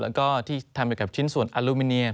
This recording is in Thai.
แล้วก็ที่ทำไปกับชิ้นส่วนอลูมิเนีย